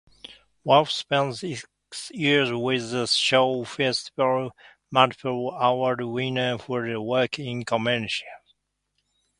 Waugh spent six years with the Shaw Festival multiple award-winner for work in commercials.